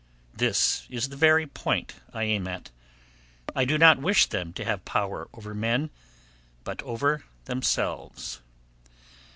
This is the very point I aim at. I do not wish them to have power over men; but over themselves.